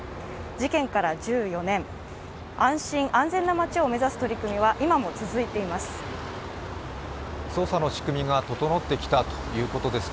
事件から１４年、安心・安全な街を目指す取組は今も続いています。